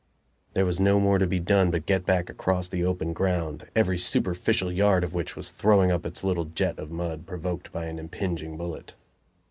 There was no more to be done but get back across the open ground, every superficial yard of which was throwing up its little jet of mud provoked by an impinging bullet.